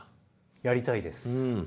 やりたいです。